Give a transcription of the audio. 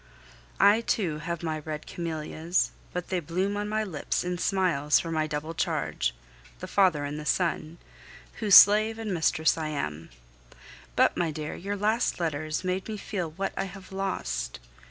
I too have my red camellias, but they bloom on my lips in smiles for my double charge the father and the son whose slave and mistress I am. But, my dear, your last letters made me feel what I have lost!